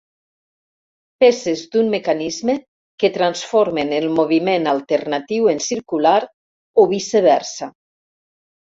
Peces d'un mecanisme que transformen el moviment alternatiu en circular o viceversa.